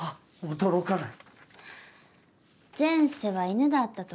驚かない